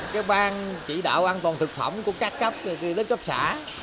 cái bang chỉ đạo an toàn thực phẩm của các cấp từ lớp cấp xã